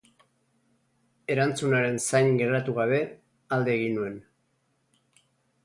Erantzunaren zain geratu gabe, alde egin nuen.